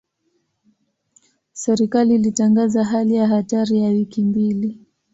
Serikali ilitangaza hali ya hatari ya wiki mbili.